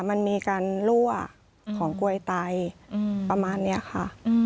มันมีการรั่วของกลวยไตประมาณนี้ค่ะ